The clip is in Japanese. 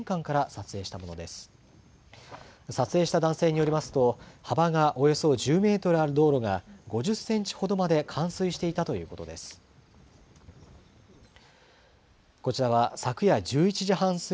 撮影した男性によりますと、幅がおよそ１０メートルある道路が５０センチほどまで冠水していたということです。